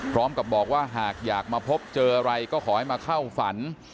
พร้อมกับบอกว่าหากอยากมาพบเจออะไรก็ขอให้มาเข้าฝัน